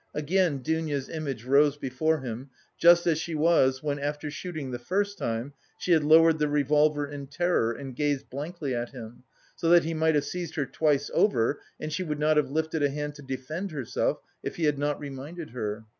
Again Dounia's image rose before him, just as she was when, after shooting the first time, she had lowered the revolver in terror and gazed blankly at him, so that he might have seized her twice over and she would not have lifted a hand to defend herself if he had not reminded her.